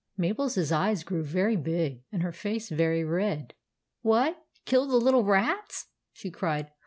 Mabel's eyes grew very big and her face very red. "What, kill the little rats?" she cried.